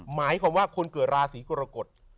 หมายความว่าคนเกิดราศีกรกฎ